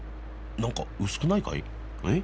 何か薄くないかい？え？